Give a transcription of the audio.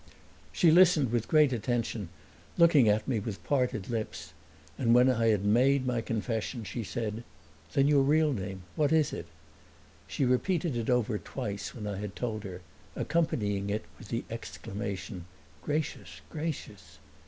She listened with great attention, looking at me with parted lips, and when I had made my confession she said, "Then your real name what is it?" She repeated it over twice when I had told her, accompanying it with the exclamation "Gracious, gracious!"